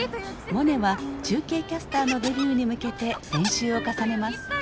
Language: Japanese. モネは中継キャスターのデビューに向けて練習を重ねます。